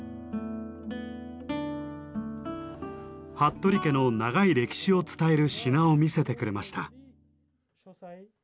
服部家の長い歴史を伝える品を見せてくれました。